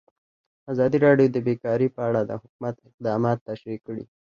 ازادي راډیو د بیکاري په اړه د حکومت اقدامات تشریح کړي.